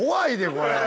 これ。